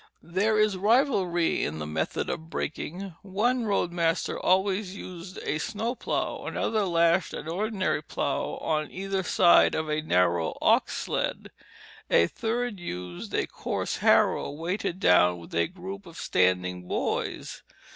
There is rivalry in the method of breaking. One road master always used a snow plough; another lashed an ordinary plough on either side of a narrow ox sled; a third used a coarse harrow weighted down with a group of standing boys.